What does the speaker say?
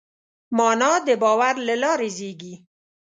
معنی د باور له لارې زېږي.